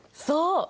そう。